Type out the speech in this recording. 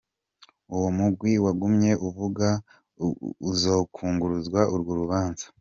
Uwo mugwi wagumye uvuga ko uzokwunguruza urwo rubanza.